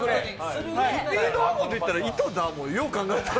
スピードワゴンと言ったら井戸田もよう考えたら。